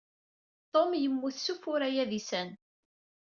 Ton yemmut s ufurray adisan.